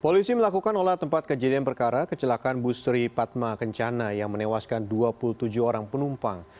polisi melakukan olah tempat kejadian perkara kecelakaan bus sri padma kencana yang menewaskan dua puluh tujuh orang penumpang